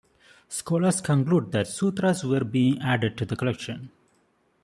Scholars conclude that sutras were being added to the collection.